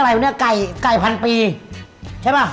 กลายเป็นไงไก่พันปีใช่ป่ะ